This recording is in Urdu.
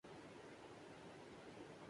وہ اپنے ہونہار شاگردوں کا ذکر کر رہے تھے